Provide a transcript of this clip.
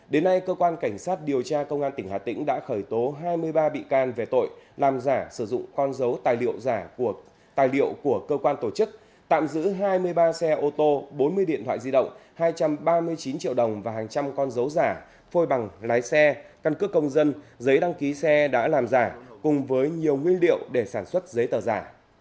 đến nay cơ quan cảnh sát điều tra công an tỉnh hà tĩnh đã khởi tố hai mươi ba bị can về tội làm giả sử dụng con dấu tài liệu của cơ quan tổ chức tạm giữ hai mươi ba xe ô tô bốn mươi điện thoại di động hai trăm ba mươi chín triệu đồng và hàng trăm con dấu giả phôi bằng lái xe căn cước công dân giấy đăng ký xe đã làm giả cùng với nhiều nguyên liệu để sản xuất giấy tờ giả